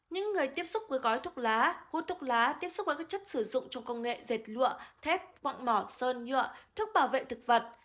những người tiếp xúc với gói thuốc lá hút thuốc lá tiếp xúc với các chất sử dụng trong công nghệ dệt lụa thép vỏng mỏ sơn nhựa thuốc bảo vệ thực vật